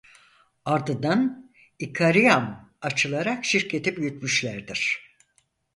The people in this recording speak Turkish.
Ardından "İkariam" açılarak şirketi büyütmüşlerdir.